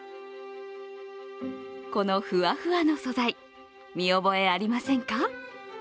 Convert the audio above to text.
このフワフワの素材、見覚えありませんか？